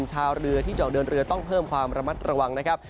ชาวเรือที่จะออกเดินเรือต้องเพิ่มความระมัดระวังนะครับ